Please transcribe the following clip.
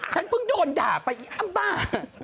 ฉันเพิ่งโดนด่าไปอีอ้ามบ้า